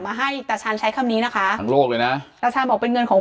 มาให้ตาชาญใช้คำนี้นะคะทั้งโลกเลยนะตาชาญบอกเป็นเงินของ